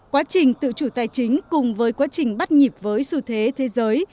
quá trình tự chủ tài chính cùng với quá trình bắt nhịp với xu thế thế giới